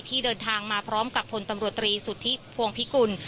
ที่เดินทางมาพร้อมกับพลตำรวจตรีสุทธิพวงพิกุล